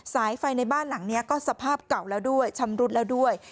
สายไฟในบ้านหลังนี้ก็สภาพเก่าแล้วด้วยชำรุดแล้วด้วย